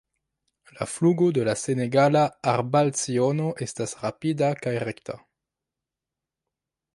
La flugo de la Senegala arbalciono estas rapida kaj rekta.